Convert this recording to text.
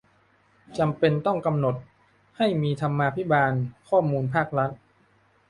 จำเป็นต้องกำหนดให้มีธรรมาภิบาลข้อมูลภาครัฐ